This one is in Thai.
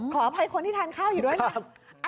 ขออภัยคนที่ทานข้าวอยู่ด้วยค่ะ